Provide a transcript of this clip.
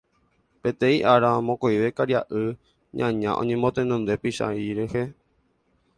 Peteĩ ára, mokõive karia'y ñaña oñemotenonde Pychãi rehe.